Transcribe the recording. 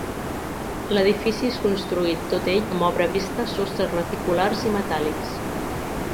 L'edifici és construït tot ell amb obra vista, sostres reticulars i metàl·lics.